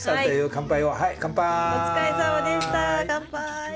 乾杯！